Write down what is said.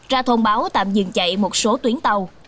ra thông báo tạm dừng chạy một số tuyến tàu